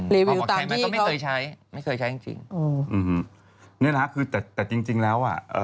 รีวิวตามที่ก็อ๋อไม่เคยใช้ไม่เคยใช้จริงนี่แหละแต่จริงแล้ว